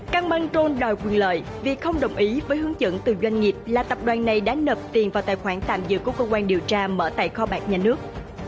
căng băng trôn đòi quyền lợi vì không đồng ý với hướng dẫn từ doanh nghiệp là tập đoàn này đã nợp tiền vào tài khoản tạm dự của công an điều tra mở tại kho bạc nhà nước